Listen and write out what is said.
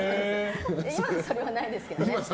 今それはないですけどね。